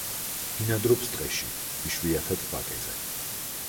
ბინადრობს ტყეში, იშვიათად ვაკეზე.